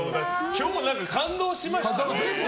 今日、感動しましたね。